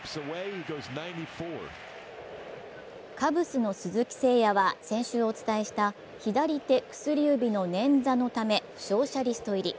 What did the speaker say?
カブスの鈴木誠也は先週お伝えした左薬指の捻挫のため負傷者リスト入り。